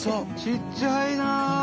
ちっちゃいな。